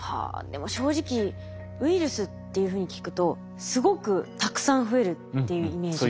でも正直ウイルスっていうふうに聞くとすごくたくさん増えるっていうイメージが。